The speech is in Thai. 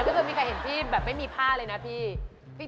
ต้องมาฝากเค้าไปนะเดี๋ยวมันเดินหนีไว้